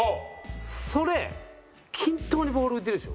それ均等にボール浮いてるでしょ？